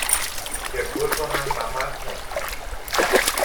και βούρκωναν τα μάτια του.